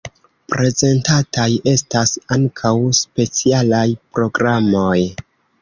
Prezentataj estas ankaŭ specialaj programoj.